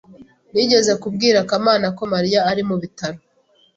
Nigeze kubwira Kamana ko Mariya ari mu bitaro.